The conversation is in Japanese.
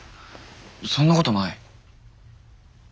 そんなことない。